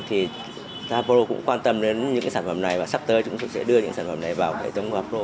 thì tapro cũng quan tâm đến những sản phẩm này và sắp tới chúng tôi sẽ đưa những sản phẩm này vào hệ thống của appro